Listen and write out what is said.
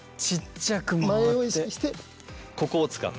前を意識してここを使う。